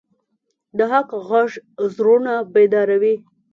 د حق غږ زړونه بیداروي